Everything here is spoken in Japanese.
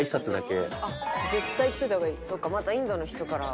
そっかまたインドの人から。